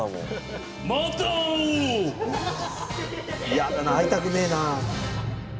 やだな会いたくねえな。